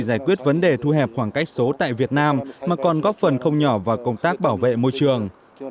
giải quyết vấn đề thu hẹp khoảng cách số tại việt nam mà còn góp phần không nhỏ vào công tác bảo vệ môi trường